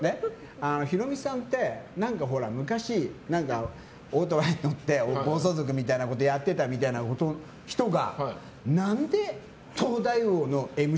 ヒロミさんって何かほら昔、オートバイ乗って暴走族みたいなことやってたみたいな人が。